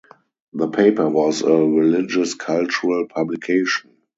The paper was a religious cultural publication.